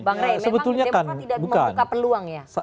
bang rey memang demokrat tidak membuka peluang ya